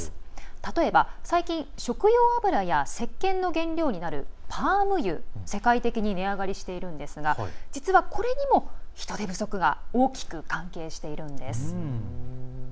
例えば、最近、食用油やせっけんの原料になるパーム油世界的に値上がりしているんですが実はこれにも人手不足が大きく関係しているんです。